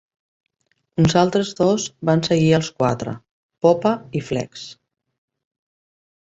Uns altres dos van seguir els quatre, Poppa i Flex.